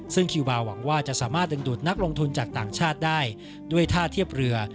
ซึ่งคิวบาร์หวังว่าจะสามารถดึงดูดนักลงทุนจากต่างชาติได้ด้วยท่าเทียบเรือ